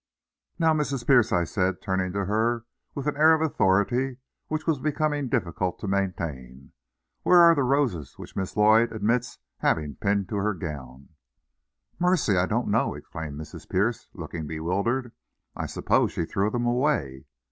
"Now, Mrs. Pierce," I said, turning to her with an air of authority which was becoming difficult to maintain, "where are the roses which Miss Lloyd admits having pinned to her gown?" "Mercy! I don't know," exclaimed Mrs. Pierce, looking bewildered. "I suppose she threw them away."